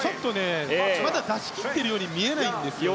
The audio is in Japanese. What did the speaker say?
まだ出し切っているように見えないんですよね。